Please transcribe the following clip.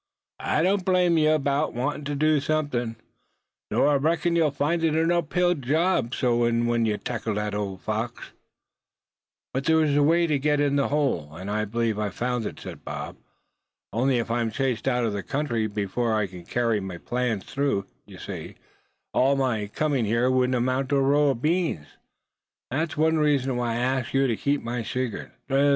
I don't blame ye 'bout wantin' to do somethin'; though I reckons ye'll find it a up hill job, w'en ye tackle thet old fox." "But there's a way to get him in a hole, and I believe I've found it," said Bob. "Only, if I'm chased out of the country before I can carry my plans through, you see, all my coming here wouldn't amount to a row of beans. That's one reason why I asked you to keep my secret.